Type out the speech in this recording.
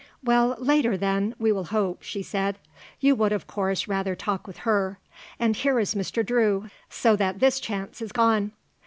"Well, later, then, we will hope," she said. "You would of course rather talk with her. And here is Mr. Drew, so that this chance is gone."